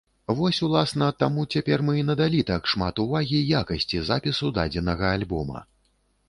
Вось, уласна, таму цяпер мы і надалі так шмат увагі якасці запісу дадзенага альбома.